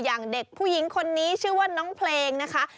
อย่างเด็กผู้หญิงคนนี้ชื่อว่าน้องเพลงนะคะ